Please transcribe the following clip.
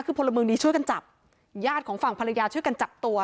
คือพลเมืองดีช่วยกันจับญาติของฝั่งภรรยาช่วยกันจับตัว